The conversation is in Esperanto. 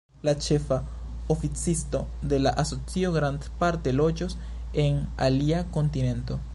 La ĉefa oficisto de la asocio grandparte loĝos en alia kontinento.